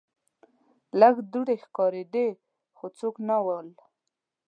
لږ دوړې ښکاریدې خو څوک نه ول.